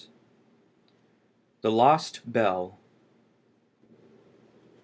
THE LOST BELL.